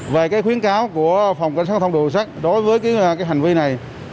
về cái khuyến cáo của phòng pc tám đối với cái hành vi này